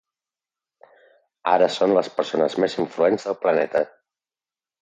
Ara són les persones més influents del planeta